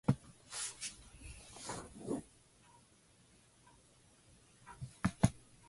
Slugs are known by other names as well.